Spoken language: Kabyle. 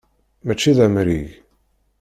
Mačči d amrig.